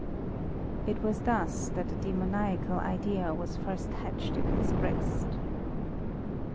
It was thus that the demoniacal idea was first hatched in his breast.